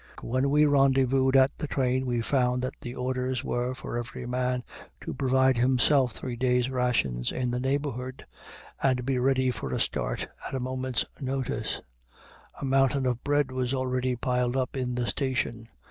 When we rendezvoused at the train, we found that the orders were for every man to provide himself three days' rations in the neighborhood, and be ready for a start at a moment's notice. A mountain of bread was already piled up in the station.